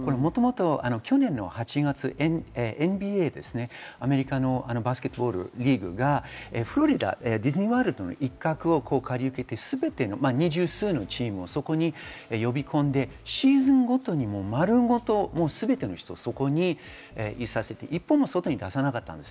去年の８月、ＮＢＡ、アメリカのバスケットボールリーグがフロリダ、ディズニーワールドの一角を借りて、２０数チームを呼び込んで、シーズンごとに丸ごと全ての人をいさせて一歩も外に出さなかったんです。